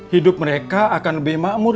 hidup mereka akan lebih makmur